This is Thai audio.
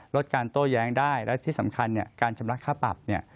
ลดการโต้แย้งได้และที่สำคัญเนี่ยการชำระค่าปรับเนี่ย